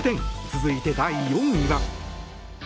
続いて第４位は。